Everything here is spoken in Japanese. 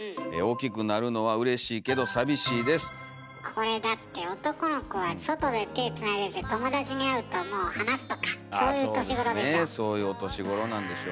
これだって男の子は外で手つないでて友達に会うともう離すとかそういう年頃でしょ。